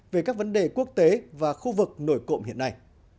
về các vấn đề quốc tế và khu vực nổi cộng hiện nay